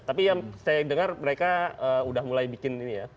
tapi yang saya dengar mereka udah mulai bikin ini ya